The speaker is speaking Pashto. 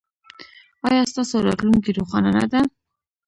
ایا ستاسو راتلونکې روښانه نه ده؟